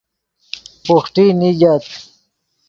بوحٹی نیگت